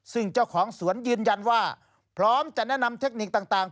ซึ่งเจ้าของสวนยืนยันว่าพร้อมจะแนะนำเทคนิคต่าง